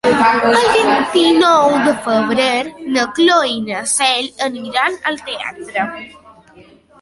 El vint-i-nou de febrer na Cloè i na Cel aniran al teatre.